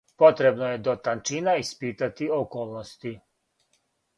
Potrebno je do tančina ispitati okolnosti.